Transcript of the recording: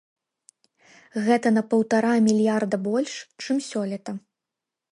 Гэта на паўтара мільярда больш, чым сёлета.